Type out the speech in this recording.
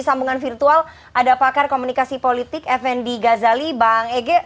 sambungan virtual ada pakar komunikasi politik fnd gazali bang ege